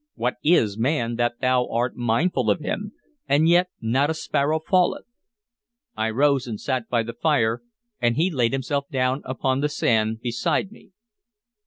What is man that thou art mindful of him? And yet not a sparrow falleth" I rose and sat by the fire, and he laid himself down upon the sand beside me.